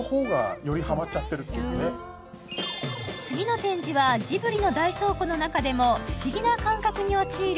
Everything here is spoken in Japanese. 次の展示はジブリの大倉庫の中でも不思議な感覚に陥る